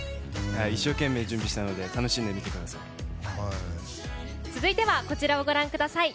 一生懸命、準備したので楽しんで見てください。